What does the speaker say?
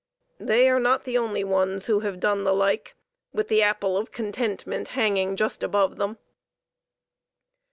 They are not the only ones who have done the like, with the apple of contentment hanging just above them.